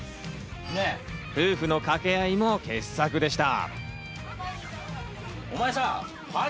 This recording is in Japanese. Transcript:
夫婦の掛け合いも傑作でした。